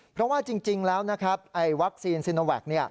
เพราะว่าจริงแล้วนะครับวัคซีนซีโนแวค